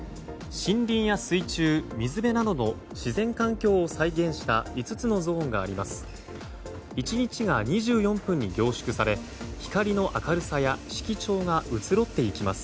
森林や水中、水辺などの自然環境を再現した５つのゾーンがあります。